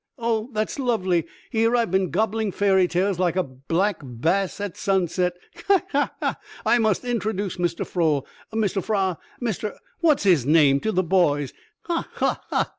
Oh, that's lovely! Here I've been gobbling fairy tales like a black bass at sunset. He! he! he! I must introduce Mr. Froel Mr. Fra Mr. What's his name to the boys. He! he!